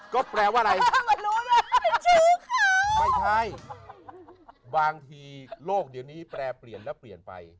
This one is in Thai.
ก็แปลว่าอะไรไม่ใช่บางทีโลกเดี๋ยวนี้แปลเปลี่ยนแล้วเปลี่ยนไป